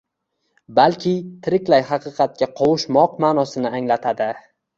Balki tiriklay haqiqatga qovushmoq ma’nosini anglatadi.